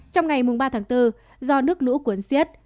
trong ngày ba tháng bốn do nước lũ cuốn xiết